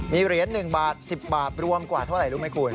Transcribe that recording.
มีเหรียญ๑บาท๑๐บาทรวมกว่าเท่าไหร่รู้ไหมคุณ